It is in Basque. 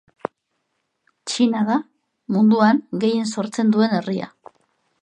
Txina da munduan gehien sortzen duen herria.